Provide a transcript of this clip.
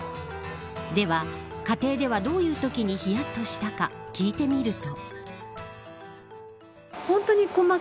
では、家庭ではどういうときにひやっとしたか聞いてみると。